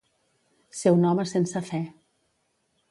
Ser un home sense fe.